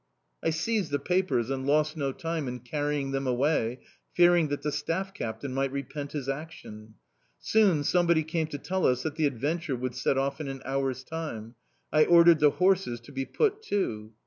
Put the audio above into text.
I seized the papers and lost no time in carrying them away, fearing that the staff captain might repent his action. Soon somebody came to tell us that the "Adventure" would set off in an hour's time. I ordered the horses to be put to.